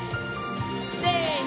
せの！